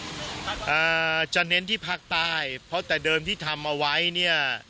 อ่าจะเน้นที่ภาคใต้เพราะแต่เดิมที่ทำเอาไว้เนี่ย